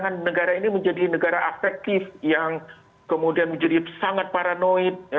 karena negara ini menjadi negara efektif yang kemudian menjadi sangat paranoid